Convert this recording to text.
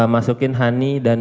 masukin hani dan